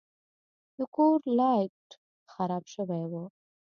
د کور لایټ خراب شوی و.